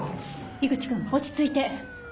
井口君落ち着いて。